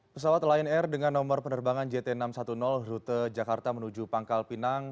pesawat lion air dengan nomor penerbangan jt enam ratus sepuluh rute jakarta menuju pangkal pinang